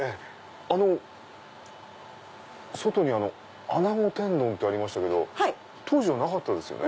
あの外に穴子天丼ってありましたけど当時はなかったですよね？